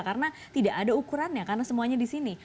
karena tidak ada ukurannya karena semuanya di sini